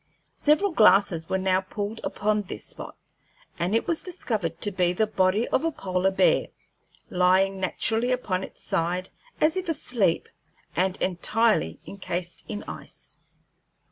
Several glasses were now levelled upon this spot, and it was discovered to be the body of a polar bear, lying naturally upon its side, as if asleep, and entirely incased in ice.